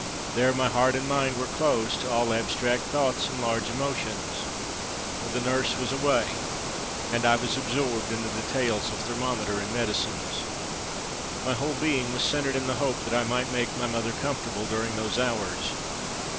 There my heart and mind were closed to all abstract thought and large emotions, for the nurse was away and I was absorbed in the details of thermometer and medicines. My whole being was centred in the hope that I might make my mother comfortable during those hours.